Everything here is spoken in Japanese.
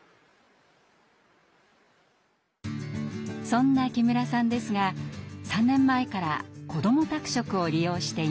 そんな木村さんですが３年前からこども宅食を利用しています。